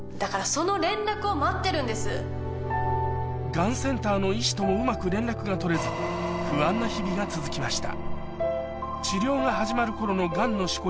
がんセンターの医師とうまく連絡が取れず不安な日々が続きました